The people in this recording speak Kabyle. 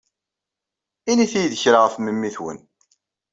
Init-iyi-d kra ɣef memmi-twen.